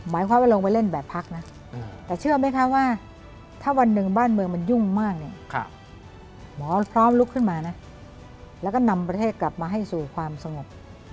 หมายความว่าลงไปเล่นแบบพักนะแต่เชื่อไหมคะว่าถ้าวันหนึ่งบ้านเมืองมันยุ่งมากเนี่ยหมอพร้อมลุกขึ้นมานะแล้วก็นำประเทศกลับมาให้สู่ความสงบ